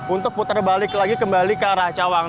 untuk puterbalik lagi kembali ke arah cawang